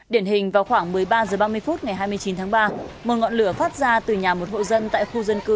điển hình vào khoảng một mươi ba h ba mươi phút ngày hai mươi chín tháng ba một ngọn lửa phát ra từ nhà một hộ dân tại khu dân cư